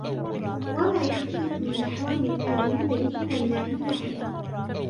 وَمَا يَخْتَلِفُ مِنْ أَحْوَالِ الْآمِرِينَ بِهِ وَالنَّاهِينَ عَنْهُ